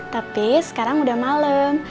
tapi sekarang udah malem